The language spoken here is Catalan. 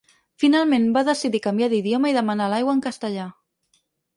Finalment va decidir canviar d’idioma i demanar l’aigua en castellà.